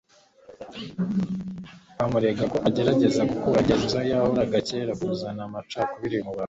Bamuregagako agerageza gukuraho imigenzo yahozeho kera no kuzana amacakubiri mu bantu,